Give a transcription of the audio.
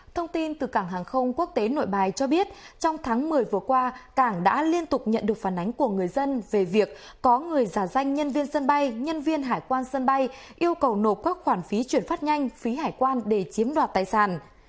thông tin từ cảng hàng không quốc tế nội bài cho biết trong tháng một mươi vừa qua cảng đã liên tục nhận được phản ánh của người dân về việc có người giả danh nhân viên sân bay nhân viên hải quan sân bay yêu cầu nộp các khoản phí chuyển phát nhanh phí hải quan để chiếm đoạt tài sản